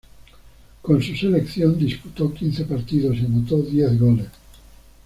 Con su selección disputó quince partidos y anotó diez goles.